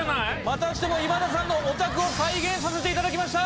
またしても今田さんのお宅を再現させて頂きました。